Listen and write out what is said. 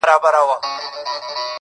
دښمني به سره پاته وي کلونه،